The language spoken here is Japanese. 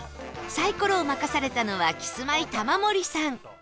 サイコロを任されたのはキスマイ玉森さん